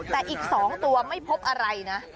แต่อีก๒ตัวไม่พบอะไรนะ